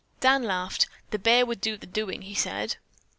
Dan laughed. "The bear would do the doing," he said.